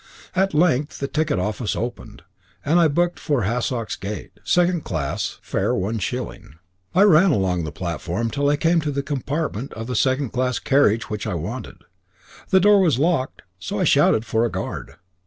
At length the ticket office opened, and I booked for Hassocks Gate, second class, fare one shilling. I ran along the platform till I came to the compartment of the second class carriage which I wanted. The door was locked, so I shouted for a guard.